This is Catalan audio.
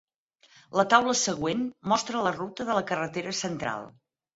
La taula següent mostra la ruta de la Carretera Central.